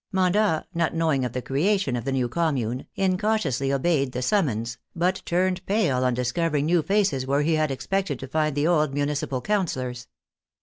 Mandat, not knowing of the creation of the new Commune, incautiously obeyed the summons, but turned pale on discovering new faces where he had expected to find the old municipal councillors.